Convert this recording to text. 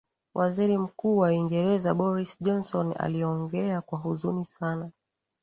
waziri mkuu wa uingereza boris johnson aliongea kwa huzuni sana